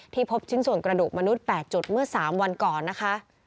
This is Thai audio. พบชิ้นส่วนกระดูกมนุษย์๘จุดเมื่อ๓วันก่อนนะคะ